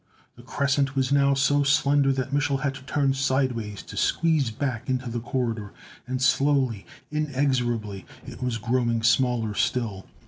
The crescent was now so slender that Mich'l had to turn sideways to squeeze back into the corridor. And slowly, inexorably, it was growing smaller still.